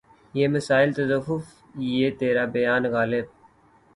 یہ مسائل تصوف یہ ترا بیان غالبؔ